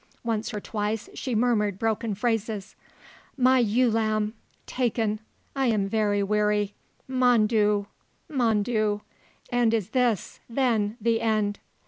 Once or twice she murmured broken phrases: "My ewe lamb; taken; I am very weary. Mon Dieu, mon Dieu, and is this, then, the end...."